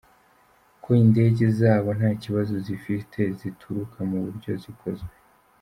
ko indege zabo nta bibazo zifite zituruka mu buryo zikozwe.